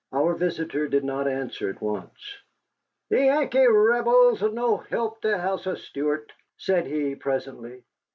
Our visitor did not answer at once. "The Yankee Rebels 'll no help the House of Stuart," said he, presently.